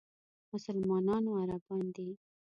مسلمانانو عربان دي.